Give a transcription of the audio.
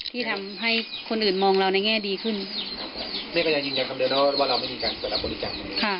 ที่ทำให้คนอื่นมองเราในแง่ดีขึ้นแม่ก็ยังยืนยันคำเดิมนะว่าเราไม่มีการเปิดรับบริจาค